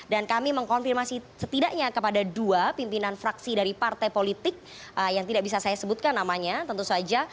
dan kami mengkonfirmasi setidaknya kepada dua pimpinan fraksi dari partai politik yang tidak bisa saya sebutkan namanya tentu saja